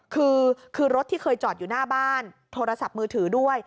คือรถที่เคยจอดอยู่หน้าบ้านโทรศัพท์มือถือด้วย